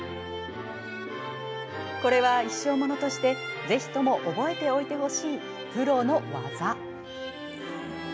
これは一生ものとしてぜひとも覚えておいてほしいプロの技。